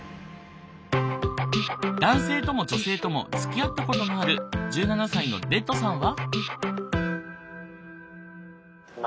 男性とも女性ともつきあったことのある１７歳のデッドさんは？